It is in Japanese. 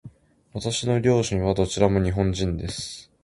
私の両親はどちらとも日本人です。